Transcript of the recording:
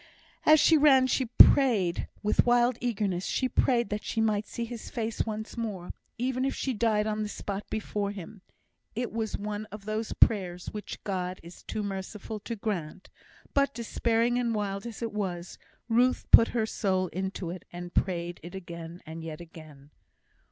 As she ran, she prayed with wild eagerness; she prayed that she might see his face once more, even if she died on the spot before him. It was one of those prayers which God is too merciful to grant; but despairing and wild as it was, Ruth put her soul into it, and prayed it again, and yet again.